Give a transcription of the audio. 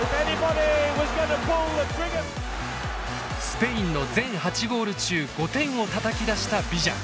スペインの全８ゴール中５点をたたき出したビジャ。